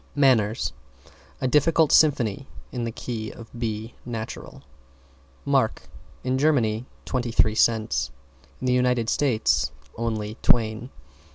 =MANNERS= A difficult symphony in the key of B natural. =MARK= In Germany, twenty three cents. In the United States, only Twain.